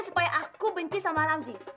supaya aku benci sama ramji